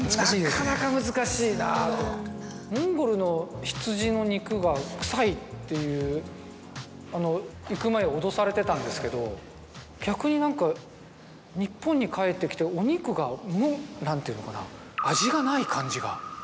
なかなか難しいなと。っていうあの行く前脅されてたんですけど逆に何か日本に帰ってきてお肉がもう何ていうのかな味がない感じが。